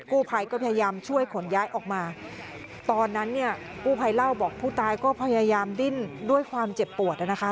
กู้ภัยก็พยายามช่วยขนย้ายออกมาตอนนั้นเนี่ยกู้ภัยเล่าบอกผู้ตายก็พยายามดิ้นด้วยความเจ็บปวดนะคะ